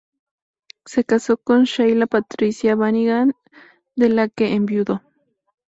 Se casó con Sheila Patricia Brannigan, de la que enviudó.